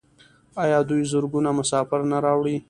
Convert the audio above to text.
آیا دوی زرګونه مسافر نه راوړي؟